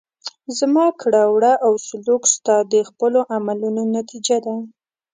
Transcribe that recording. زما کړه وړه او سلوک ستا د خپلو عملونو نتیجه ده.